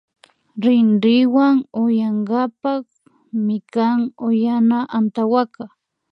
Rinrinwa uyankapak mikan uyana antawaka